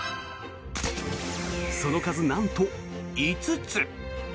その数、なんと５つ。